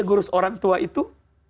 mengurus orang tua itu